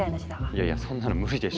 いやいやそんなの無理でしょ。